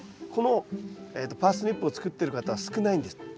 このパースニップを作ってる方は少ないんです。